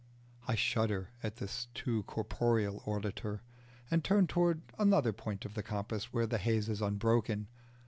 I shudder at this too corporeal auditor, and turn towards another point of the compass where the haze is unbroken.